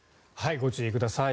ご注意ください。